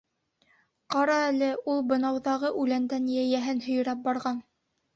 — Ҡара әле, ул бынауҙағы үләндән йәйәһен һөйрәп барған.